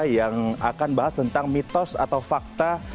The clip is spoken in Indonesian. yang akan bahas tentang mitos atau fakta